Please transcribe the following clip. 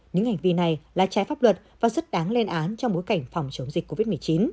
những hành vi này là trái pháp luật và rất đáng lên án trong bối cảnh phòng chống dịch covid một mươi chín